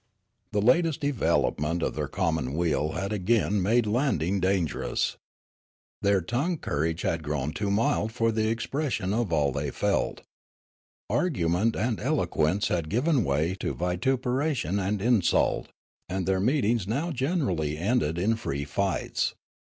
The latest development of their commonweal had again made landing dangerous. Their tongue courage had grown too mild for the expression of all they 250 Riallaro felt. Argument and eloquence had given way to vituperation and insult, and their meetings now gen erally ended in free fights.